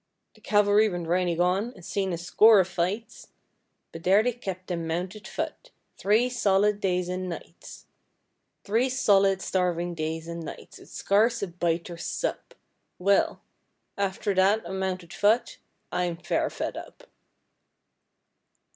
The Cavalry went riding on and seen a score of fights, But there they kept them Mounted Fut three solid days and nights Three solid starving days and nights with scarce a bite or sup, Well! after that on Mounted Fut I'm fair fed up.